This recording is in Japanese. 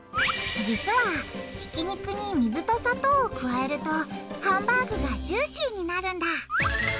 実はひき肉に水と砂糖を加えるとハンバーグがジューシーになるんだ！